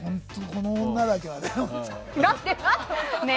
この女だけはね。